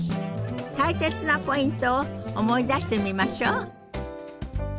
大切なポイントを思い出してみましょう。